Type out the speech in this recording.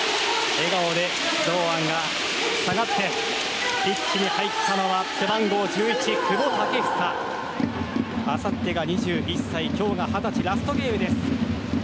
笑顔で堂安が下がってピッチに入ったのは背番号１１、久保建英。あさって２１歳今日が二十歳ラストゲームです。